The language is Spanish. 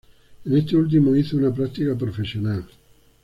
En este último hizo una práctica profesional.